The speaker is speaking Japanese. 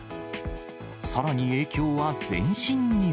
さらに影響は、全身にも。